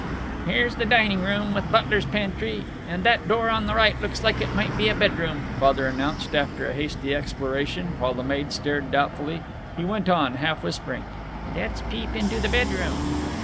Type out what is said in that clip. "Here's the dining room, with butler's pantry, and that door on the right looks like it might be a bedroom," Father announced, after a hasty exploration, while the maid stared doubtfully. He went on, half whispering, "Let's peep into the bedroom."